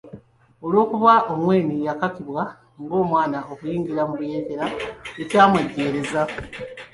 Olw'okuba Ongwen yakakibwa ng'omwana okuyingira mu buyeekera, tekyamwejjeereza .